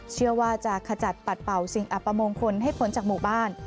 เชื่อว่าจะขจัดปัดเป่าสิ่งอัปมงคลให้พ้นจากหมู่บ้าน